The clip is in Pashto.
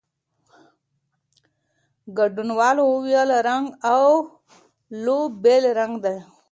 ګډونوالو وویل، رنګ "اولو" بېل رنګ دی.